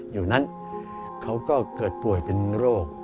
อยู่นั้นเขาก็เกิดป่วยเป็นโรค